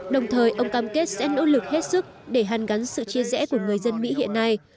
đồng thời ông cam kết sẽ nỗ lực hết sức để hàn gắn sự chia rẽ của người dân mỹ hiện nay